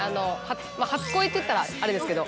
初恋といったらあれですけど。